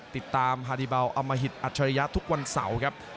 ติดตามฮาดีเบาอมหิตอัจฉริยะทุกวันเสาร์ครับ